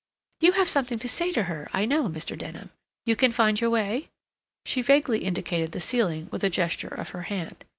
You have something to say to her, I know, Mr. Denham. You can find your way?" she vaguely indicated the ceiling with a gesture of her hand.